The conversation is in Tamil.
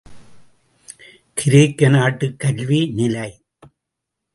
கிரேக்க நாட்டுக் கல்வி நிலை.